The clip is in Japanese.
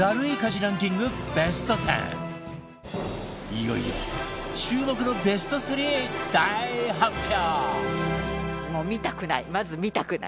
いよいよ注目のベスト３大発表！